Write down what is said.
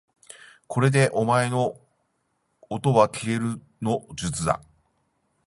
これでお前のおとはきえるの術だ